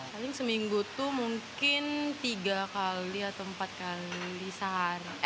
paling seminggu tuh mungkin tiga kali atau empat kali sehari